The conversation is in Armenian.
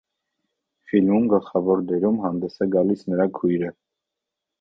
Ֆիլմում գլխավոր դերում հանդես է գալիս նրա քույրը։